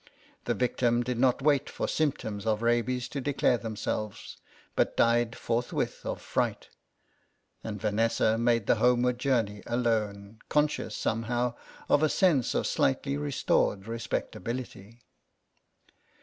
The victim did not wait for symptoms of rabies to declare them selves, but died forthwith of fright, and Vanessa made the homeward journey alone, conscious somehow of a sense of slightly restored respectability.